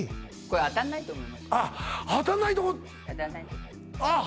当たんないとこあっ